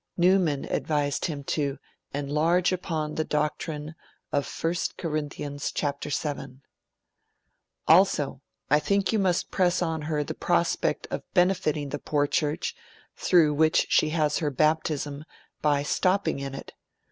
Newman advised him to 'enlarge upon the doctrine of I Cor. vii'; 'also, I think you must press on her the prospect of benefiting the poor Church, through which she has her baptism, by stopping in it.